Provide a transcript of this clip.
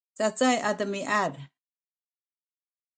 cacay a demiad